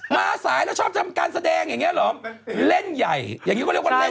มาสายแล้วชอบทำการแสดงอย่างเงี้เหรอเล่นใหญ่อย่างนี้ก็เรียกว่าเล่น